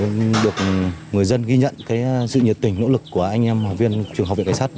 nên được người dân ghi nhận cái sự nhiệt tình nỗ lực của anh em học viên trường học viện cảnh sát